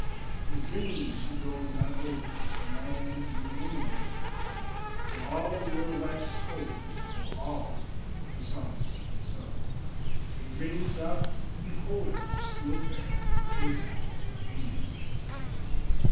In dreams she grows not older The lands of Dream among, Though all the world wax colder, Though all the songs be sung, In dreams doth he behold her Still fair and kind and young.